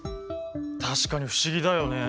確かに不思議だよね。